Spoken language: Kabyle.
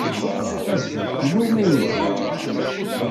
Azul! Yella n umaynut?